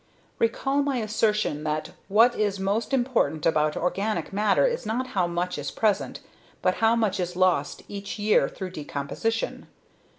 _ Recall my assertion that what is most important about organic matter is not how much is present, but how much is lost each year through decomposition.